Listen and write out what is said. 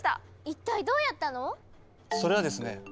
一体どうやったの⁉それはですね